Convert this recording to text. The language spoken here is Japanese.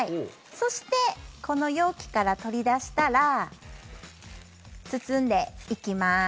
そしてこの容器から取り出したら包んでいきます。